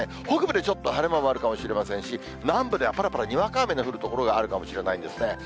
北部でちょっと晴れ間もあるかもしれませんし、南部ではぱらぱらにわか雨の降る所があるかもしれないんですね。